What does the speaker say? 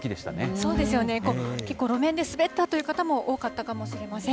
そうですよね、結構、路面で滑ったという方も多かったかもしれません。